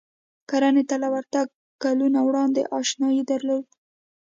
کرنې ته له ورتګ کلونه وړاندې اشنايي درلوده.